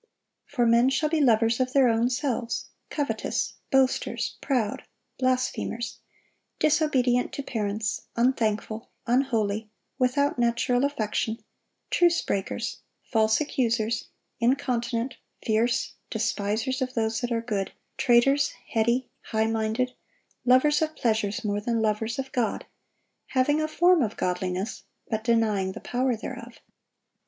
For men shall be lovers of their own selves, covetous, boasters, proud, blasphemers, disobedient to parents, unthankful, unholy, without natural affection, truce breakers, false accusers, incontinent, fierce, despisers of those that are good, traitors, heady, high minded, lovers of pleasures more than lovers of God; having a form of godliness, but denying the power thereof."